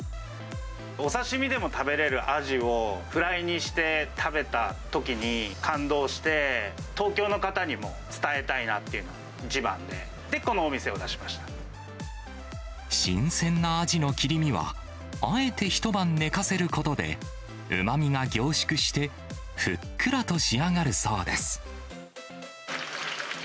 お刺身でも食べれるアジを、フライにして食べたときに、感動して、東京の方にも伝えたいなというのが一番で、で、新鮮なアジの切り身は、あえて一晩寝かせることで、うまみが凝縮して、ふっくらと仕上がるそうです。